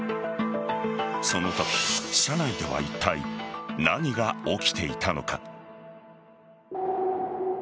そのとき、車内ではいったい何が起きていたのか。